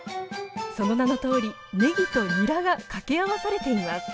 その名のとおり「ねぎ」と「にら」が掛け合わされています